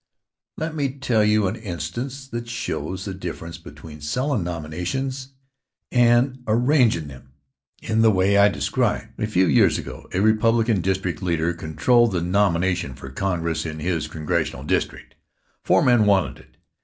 Let me tell you an instance that shows the difference between sellin' nominations and arrangin' them in the way I described. A few years ago a Republican district leader controlled the nomination for Congress in his Congressional district. Four men wanted it.